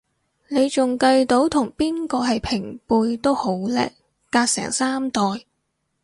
你仲計到同邊個係平輩都好叻，隔成三代